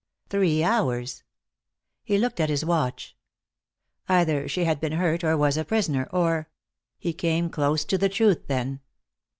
Three hours. He looked at his watch. Either she had been hurt or was a prisoner, or he came close to the truth then.